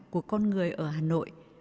của con người ở hà nội